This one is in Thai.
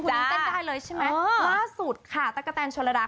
คุณยังเต้นได้เลยใช่ไหมมาสุดค่ะตะกะแตนชะละดา